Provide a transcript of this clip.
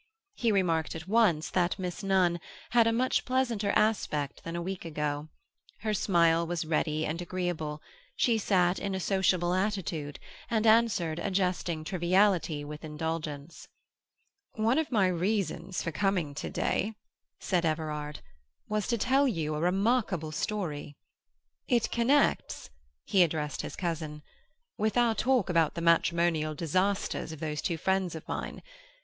He remarked at once that Miss Nunn had a much pleasanter aspect than a week ago; her smile was ready and agreeable; she sat in a sociable attitude and answered a jesting triviality with indulgence. "One of my reasons for coming to day," said Everard, "was to tell you a remarkable story. It connects"—he addressed his cousin—"with our talk about the matrimonial disasters of those two friends of mine.